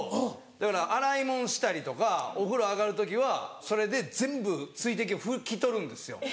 だから洗い物したりとかお風呂上がる時はそれで全部水滴を拭き取るんですよ。